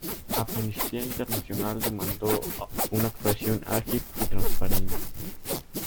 Amnistía Internacional demandó una actuación ágil y transparente.